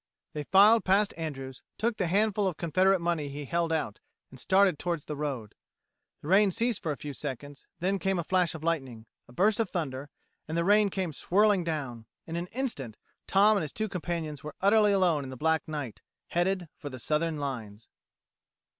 They filed past Andrews, took the handful of Confederate money he held out, and started toward the road. The rain ceased for a few seconds; then came a flash of lightning, a burst of thunder, and the rain came swirling down. In an instant, Tom and his two companions were utterly alone in the black night, headed for the Southern lines.